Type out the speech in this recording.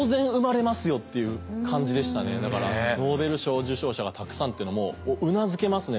だからノーベル賞受賞者がたくさんってのもうなずけますね